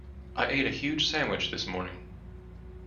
I ate a huge sandwich this morning.